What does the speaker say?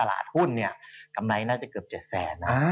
หละหุ้นเนี่ยกำไรน่าจะเกือบ๗๐๐๐๐๐บาท